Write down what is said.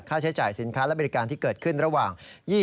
ใช้จ่ายสินค้าและบริการที่เกิดขึ้นระหว่าง